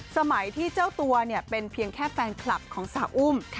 สมัยที่เจ้าตัวเป็นเพียงแค่แฟนคลับของสาวอุ้ม